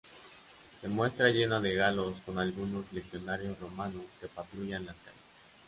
Se muestra llena de galos con algunos legionarios romanos que patrullan las calles.